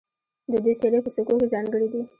د دوی څیرې په سکو کې ځانګړې دي